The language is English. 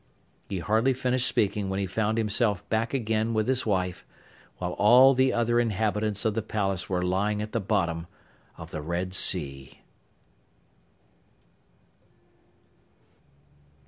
He hardly finished speaking when he found himself back again with his wife, while all the other inhabitants of the palace were lying at the bottom of the Red Sea.